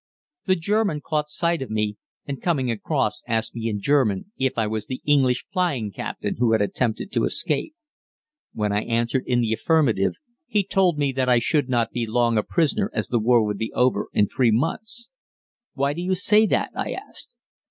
The German caught sight of me, and coming across asked me in German if I was the English flying captain who had attempted to escape. When I answered in the affirmative he told me that I should not be long a prisoner as the war would be over in three months. "Why do you say that?" I asked.